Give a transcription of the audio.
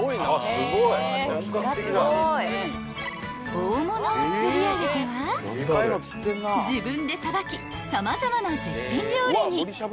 ［大物を釣り上げては自分でさばき様々な絶品料理に］